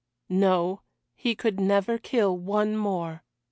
No, he could never kill one more.